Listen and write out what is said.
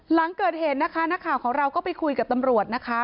หลังเกิดเหตุนะคะนักข่าวของเราก็ไปคุยกับตำรวจนะคะ